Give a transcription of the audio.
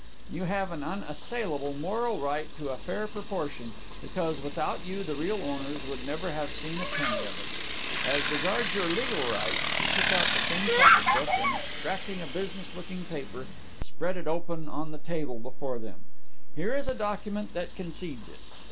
"You have an unassailable moral right to a fair proportion, because without you the real owners would never have seen a penny of it. As regards your legal right" he took out the thin pocket book and extracting a business looking paper spread it open on the table before them "here is a document that concedes it.